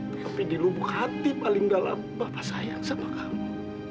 tapi dilupuk hati paling dalam bapak sayang sama kamu